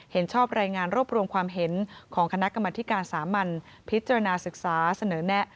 เห็นชอบรายงานรวบรวมความเห็นของคณะกรรมธิการสามัญพิจารณาศึกษาเสนอแนะ